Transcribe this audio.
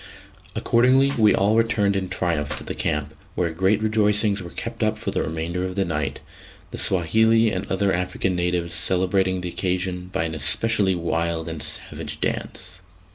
Accordingly we all returned in triumph to the camp, where great rejoicings were kept up for the remainder of the night, the Swahili and other African natives celebrating the occasion by an especially wild and savage dance.